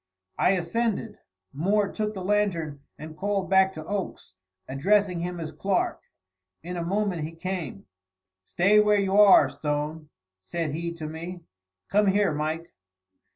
I ascended. Moore took the lantern and called back to Oakes, addressing him as Clark. In a moment he came. "Stay where you are, Stone," said he to me. "Come here, Mike."